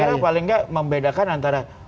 saya kira paling gak membedakan antara